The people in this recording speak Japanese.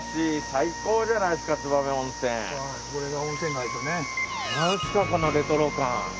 なんすかこのレトロ感。